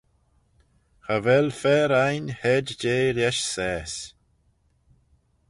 Cha vel fer ain hed jeh lesh saase.